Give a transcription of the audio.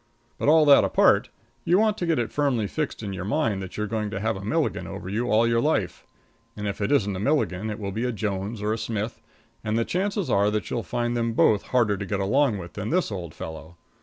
But all that apart, you want to get it firmly fixed in your mind that you're going to have a Milligan over you all your life, and if it isn't a Milligan it will be a Jones or a Smith, and the chances are that you'll find them both harder to get along with than this old fellow.